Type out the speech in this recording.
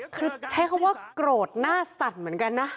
คือใช้คำว่าโกรธหน้าสั่นเหมือนกันนะ